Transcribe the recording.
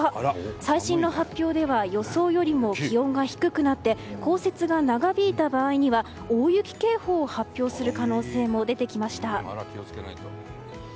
最新の発表では予想よりも気温が低くなって降雪が長引いた場合には大雪警報を発表する可能性も出てきました。